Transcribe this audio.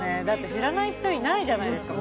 知らない人いないんじゃないですか。